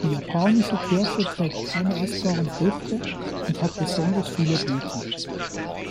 Die japanische Kirsche trägt keine essbaren Früchte und hat besonders viele Blüten.